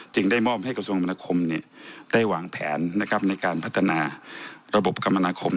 ได้มอบให้กระทรวงมนาคมได้วางแผนในการพัฒนาระบบกรรมนาคม